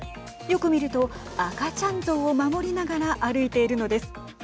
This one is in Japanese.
よく見ると赤ちゃんゾウを守りながら歩いているのです。